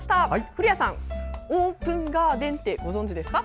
古谷さん、オープンガーデンってご存じですか？